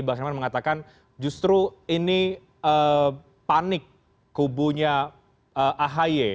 bang herman mengatakan justru ini panik kubunya ahy